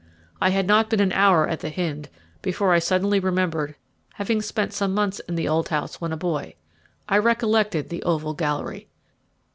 I had not been an hour at the Hynde before I suddenly remembered having spent some months in the old house when a boy. I recollected the oval gallery.